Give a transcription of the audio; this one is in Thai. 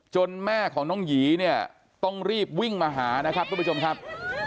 แม่ของน้องหยีเนี่ยต้องรีบวิ่งมาหานะครับทุกผู้ชมครับ